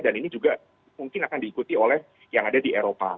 dan ini juga mungkin akan diikuti oleh yang ada di eropa